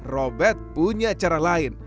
robert punya cara lain